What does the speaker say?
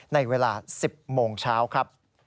ในเวลา๑๐โมงเช้าครับ